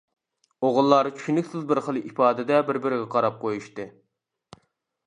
ئوغۇللار چۈشىنىكسىز بىر خىل ئىپادىدە بىر-بىرىگە قاراپ قويۇشتى.